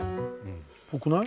ぽくない？